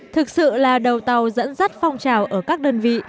thực sự là đầu tàu dẫn dắt phong trào ở các đơn vị